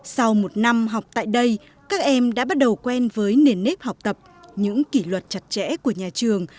sau một năm học tại đây các em đã bắt đầu quen với nền nếp học tập những kỷ luật chặt chẽ của nhà trường